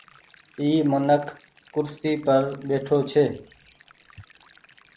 اي منک ڪرسي پر ٻيٺو ڇي۔